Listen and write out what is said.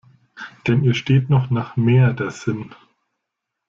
Denn ihr steht noch nach Mehr der Sinn.